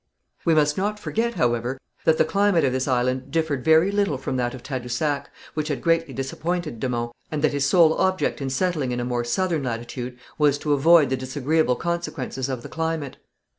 We must not forget, however, that the climate of this island differed very little from that of Tadousac, which had greatly disappointed de Monts, and that his sole object in settling in a more southern latitude was to avoid the disagreeable consequences of the climate.